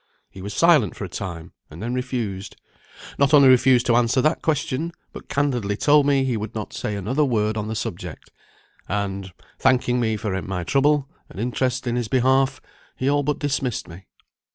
He was silent for a time, and then refused. Not only refused to answer that question, but candidly told me he would not say another word on the subject, and, thanking me for my trouble and interest in his behalf, he all but dismissed me.